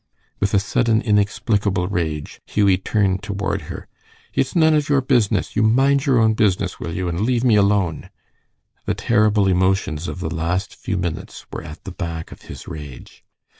With a sudden, inexplicable rage, Hughie turned toward her. "It's none of your business! You mind your own business, will you, and leave me alone." The terrible emotions of the last few minutes were at the back of his rage.